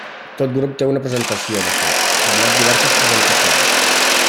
Tot grup té una presentació; de fet, admet diverses presentacions.